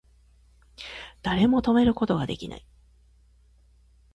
誰も止めること出来ない